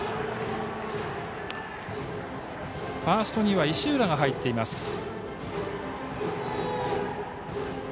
ファーストに石浦が入っています。